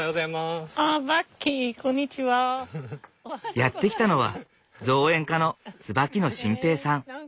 やって来たのは造園家の椿野晋平さん。